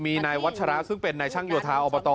มีนายวัชชะระซึ่งเป็นนายช่างยวทาออปฏอ